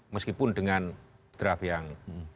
meskipun dengan draft yang